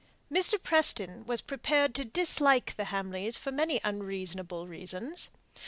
Mr. Preston was prepared to dislike the Hamleys for many unreasonable reasons.